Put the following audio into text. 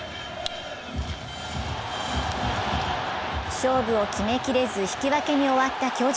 勝負を決めきれず、引き分けに終わった巨人。